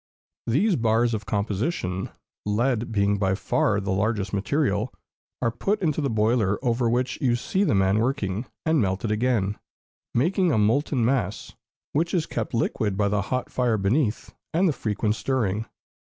These bars of composition, lead being by far the largest material, are put into the boiler over which you see the man working, and melted again, making a molten mass, which is kept liquid by the hot fire beneath and the frequent stirring.